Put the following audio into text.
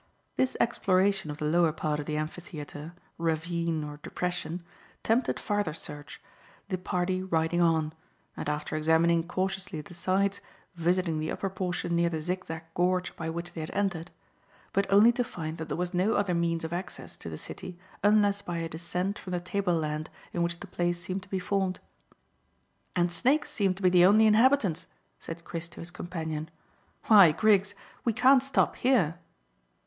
This exploration of the lower part of the amphitheatre, ravine, or depression tempted farther search, the party riding on, and after examining cautiously the sides, visiting the upper portion near the zigzag gorge by which they had entered; but only to find that there was no other means of access to the city unless by a descent from the tableland in which the place seemed to be formed. "And snakes seem to be the only inhabitants," said Chris to his companion. "Why, Griggs, we can't stop here."